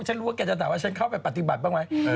ฉันรู้ว่าแกจะถามว่าฉันเข้าไปปฏิบัติบ้างไหม